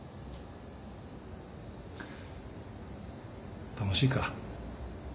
楽しいか？